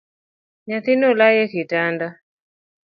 Nyathino olayo e kitanda.